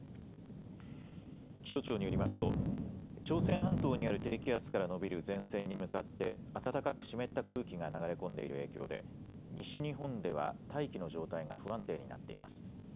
気象庁によりますと朝鮮半島にある低気圧から延びる前線に向かって暖かく湿った空気が流れ込んでいる影響で西日本では大気の状態が不安定になっています。